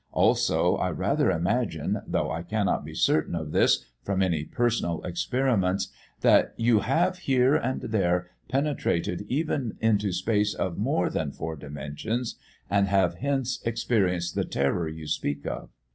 Also, I rather imagine, though I cannot be certain of this from any personal experiments, that you have here and there penetrated even into space of more than four dimensions, and have hence experienced the terror you speak of."